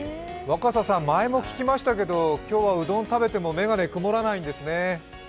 前も聞きましたけど、今日はうどん食べても眼鏡曇らないんですね。